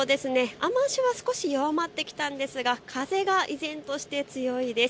雨足は少し弱まってきていますが、風が依然として強いです。